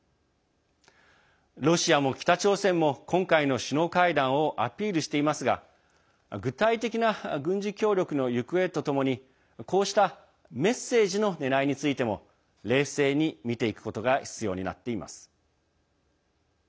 ロシアも北朝鮮も今回の首脳会談をアピールしていますが具体的な軍事協力の行方とともにこうしたメッセージのねらいについても冷静に見ていくことが必要になっています。